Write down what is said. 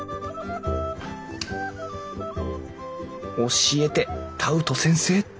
教えてタウト先生！